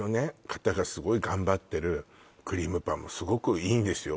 方がすごい頑張ってるクリームパンもすごくいいんですよ